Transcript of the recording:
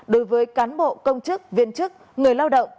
đối với cán bộ công chức viên chức người lao động